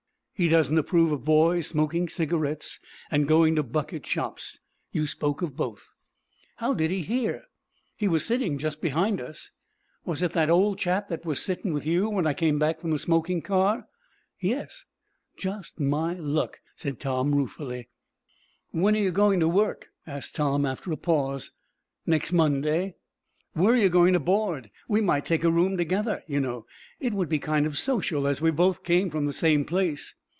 "He doesn't approve of boys smoking cigarettes and going to bucket shops. You spoke of both." "How did he hear?" "He was sitting just behind us." "Was it that old chap that was sittin' with you when I came back from the smoking car?" "Yes." "Just my luck," said Tom, ruefully. "When are you goin' to work?" asked Tom, after a pause. "Next Monday." "Where are you going to board? We might take a room together, you know. It would be kind of social, as we both come from the same place."